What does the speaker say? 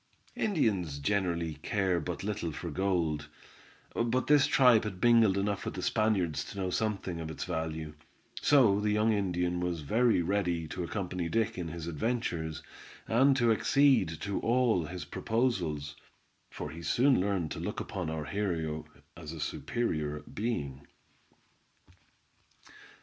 Indians generally care but little for gold, but this tribe had mingled enough with the Spaniards to know something of its value; so the young Indian was very ready to accompany Dick in his adventures, and to accede to all his proposals, for he soon learned to look upon our hero as a superior being.